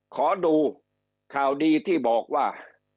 ขอดูข่าวดีที่บอกว่า